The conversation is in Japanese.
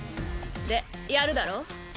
でやるだろ？